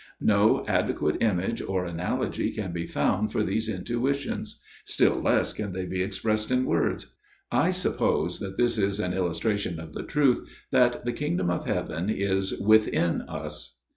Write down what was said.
No adequate image or analogy can be found for those intuitions ; still less can they be expressed in words. I suppose that this is an illustration of the truth that the Kingdom of Heaven is within us.